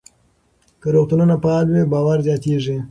که روغتونونه فعال وي، باور زیاتېږي.